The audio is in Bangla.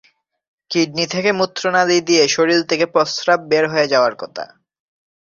কিডনি থেকে মূত্রনালি দিয়ে শরীর থেকে প্রস্রাব বের হয়ে যাওয়ার কথা।